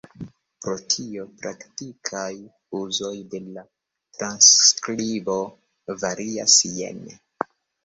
Pro tio, praktikaj uzoj de la transskribo varias jene.